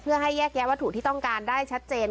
เพื่อให้แยกแยะวัตถุที่ต้องการได้ชัดเจน